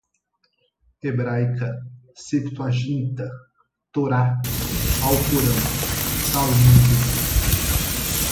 hebraica, septuaginta, torá, alcorão, talmude